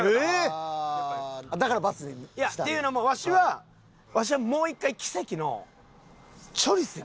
だからバツにしたん？っていうのもわしはわしはもう１回奇跡のチョリスで。